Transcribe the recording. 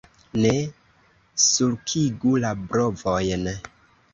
Ne sulkigu la brovojn!